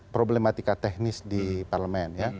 problematika teknis di parlemen